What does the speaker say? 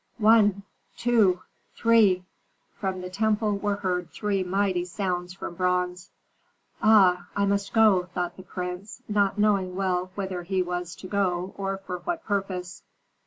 One! two! three! From the temple were heard three mighty sounds from bronze. "Ah! I must go," thought the prince, not knowing well whither he was to go or for what purpose.